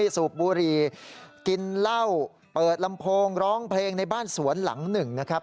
สูบบุหรี่กินเหล้าเปิดลำโพงร้องเพลงในบ้านสวนหลังหนึ่งนะครับ